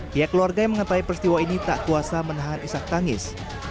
pihak keluarga yang mengetahui peristiwa ini tak kuasa menahan isak tangis